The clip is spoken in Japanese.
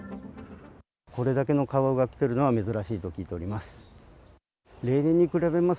これだけのカワウが来ているのは珍しいと聞いております。